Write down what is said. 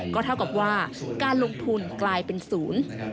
ก็เท่ากับว่าการลงทุนกลายเป็นศูนย์